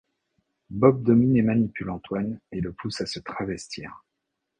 Bob domine et manipule Antoine et le pousse à se travestir.